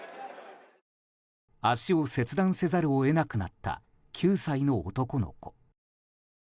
足を切断せざるを得なくなった９歳の男の子。